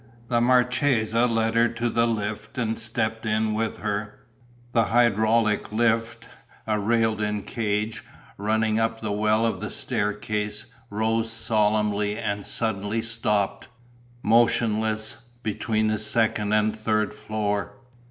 The marchesa led her to the lift and stepped in with her; the hydraulic lift, a railed in cage, running up the well of the staircase, rose solemnly and suddenly stopped, motionless, between the second and the third floor.